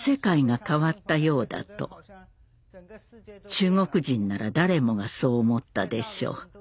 中国人なら誰もがそう思ったでしょう。